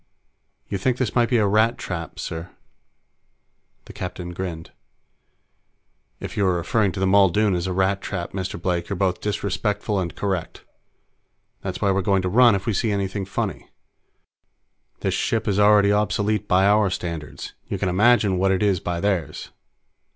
"You think this might be a Rat trap, sir?" The captain grinned. "If you are referring to the Muldoon as a rat trap, Mr. Blake, you're both disrespectful and correct. That's why we're going to run if we see anything funny. This ship is already obsolete by our standards; you can imagine what it is by theirs."